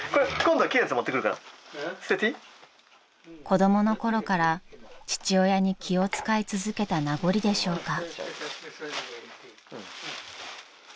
［子供のころから父親に気を使い続けた名残でしょうか］